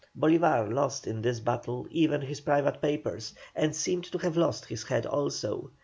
Bolívar lost in this battle even his private papers, and seemed to have lost his head also.